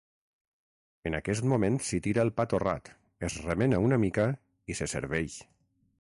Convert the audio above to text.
En aquest moment s’hi tira el pa torrat, es remena una mica i se serveix.